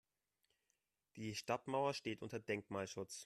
Die Stadtmauer steht unter Denkmalschutz.